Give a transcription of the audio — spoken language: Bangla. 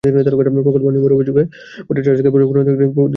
প্রকল্পে অনিয়মের অভিযোগ ওঠায় ট্রাস্ট থেকে প্রকল্প এলাকা পরিদর্শন করা হয়।